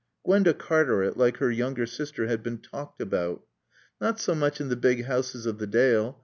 Gwenda Cartaret, like her younger sister, had been talked about. Not so much in the big houses of the Dale.